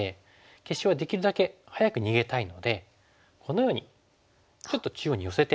消しはできるだけ早く逃げたいのでこのようにちょっと中央に寄せて。